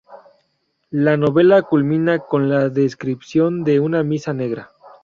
La novela culmina con la descripción de una misa negra.